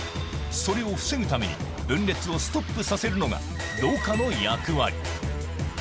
それを防ぐために、分裂をストップさせるのが、老化の役割。